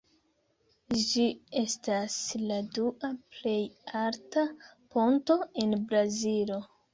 Ĝi estas la dua plej alta ponto en Brazilo.